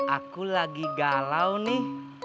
aku lagi galau nih